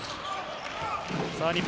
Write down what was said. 日本